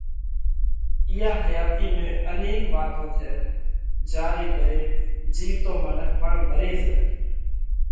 اِيئا حياتِي ۾ انيڪ واتون ٿئه جيا ري ڪري جِيوَتو منک پڻ مري زائھ۔